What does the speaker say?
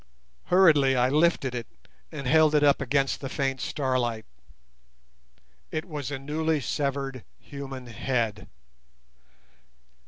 Hurriedly I lifted it and held it up against the faint starlight. _It was a newly severed human head!